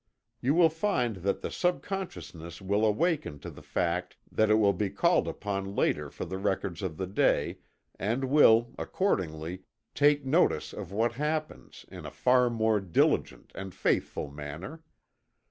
You will find that the subconsciousness will awaken to the fact that it will be called upon later for the records of the day, and will, accordingly, "take notice" of what happens, in a far more diligent and faithful manner.